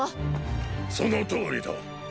そのとおりだ。